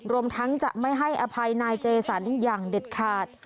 รวมทั้งจะไม่ให้อภัยนายเจสันอย่างเด็ดขาด